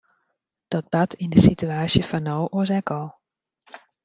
Dat bart yn de sitewaasje fan no oars ek al.